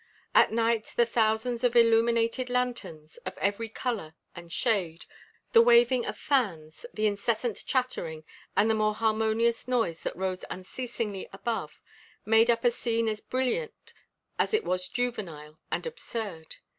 At night the thousands of illuminated lanterns, of every color and shade, the waving of fans, the incessant chattering, and the more harmonious noise that rose unceasingly above, made up a scene as brilliant as it was juvenile and absurd.